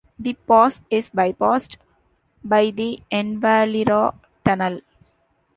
The pass is bypassed by the Envalira Tunnel.